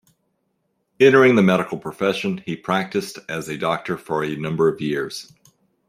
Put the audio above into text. Entering the medical profession, he practised as a doctor for a number of years.